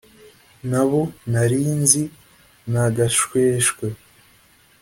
n'abo nari nzi, nta gashweshwe